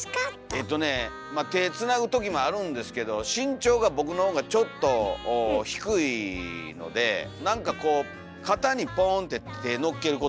えとねまあ手つなぐときもあるんですけど身長が僕のほうがちょっと低いのでなんかこう肩にポンって手のっけることが多いですね。